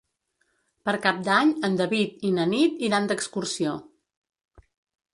Per Cap d'Any en David i na Nit iran d'excursió.